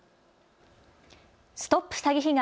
ＳＴＯＰ詐欺被害！